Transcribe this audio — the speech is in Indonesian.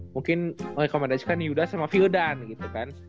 mungkin merekomendasikan yuda sama fyodan